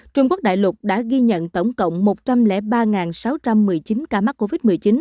trung quốc đại lục đã ghi nhận tổng cộng một trăm linh ba sáu trăm một mươi chín ca mắc covid một mươi chín